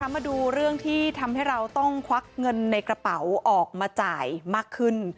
มาดูเรื่องที่ทำให้เราต้องควักเงินในกระเป๋าออกมาจ่ายมากขึ้น